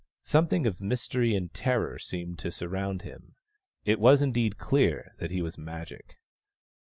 Something of mystery and terror seemed to surround him ; it was indeed clear that he was Magic.